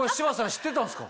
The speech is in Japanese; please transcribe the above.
知ってたんすか？